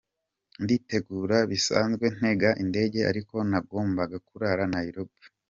Nditegura bisanzwe ntega indege ariko nagomaga kurara Nairobi